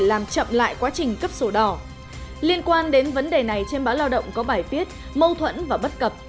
liên quan đến vấn đề này trên báo lao động có bài viết mâu thuẫn và bất cập